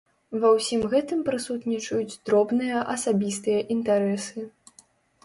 Ва ўсім гэтым прысутнічаюць дробныя асабістыя інтарэсы.